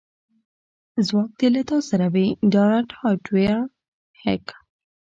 ځواک دې له تا سره وي ډارت هارډویر هیک